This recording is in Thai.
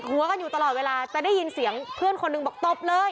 หัวกันอยู่ตลอดเวลาจะได้ยินเสียงเพื่อนคนหนึ่งบอกตบเลย